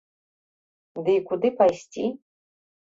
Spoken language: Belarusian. Ды і куды пайсці?